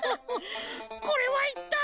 これはいったい。